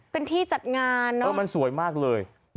เป็นที่จัดงานเนอะมันสวยมากเลย